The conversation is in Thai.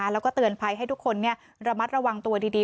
แล้วก็เตือนภัยให้ทุกคนระมัดระวังตัวดี